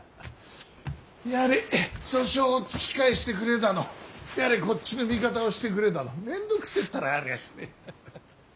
やれ訴訟を突き返してくれだのやれこっちの味方をしてくれだの面倒くせえったらありゃしねえ。